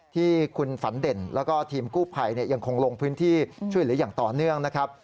ที่คุณฝันเด่นแล้วก็ทีมกู้ภัยยังคงลงพื้นที่ช่วยเหลืออย่างต่อเนื่องนะครับ